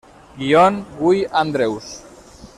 Guion: Guy Andrews.